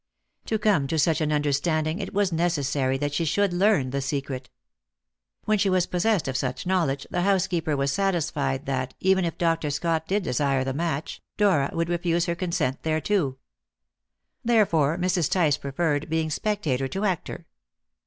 To come to such an understanding, it was necessary that she should learn the secret. When she was possessed of such knowledge, the housekeeper was satisfied that, even if Dr. Scott did desire the match, Dora would refuse her consent thereto. Therefore Mrs. Tice preferred being spectator to actor.